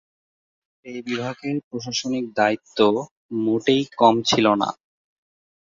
এই বিভাগের প্রশাসনিক দায়িত্ব মোটেই কম ছিল না।